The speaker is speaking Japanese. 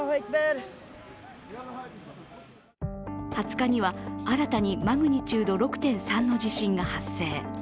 ２０日には新たにマグニチュード６．３の地震が発生。